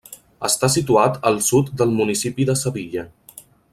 Està situat al sud del municipi de Sevilla.